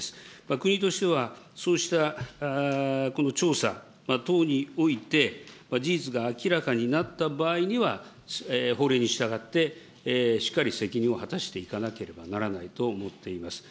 国としては、そうしたこの調査等において、事実が明らかになった場合には、法令に従ってしっかり責任を果たしていかなければならないと思っています。